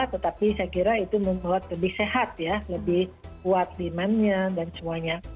tetapi saya kira itu membuat lebih sehat ya lebih kuat demandnya dan semuanya